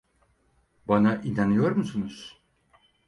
Bana inanıyor musunuz?